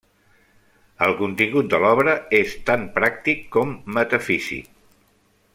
El contingut de l'obra és tant pràctic com metafísic.